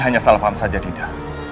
ini hanya salah paham saja dinda